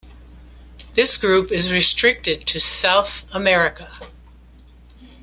This group is restricted to South America.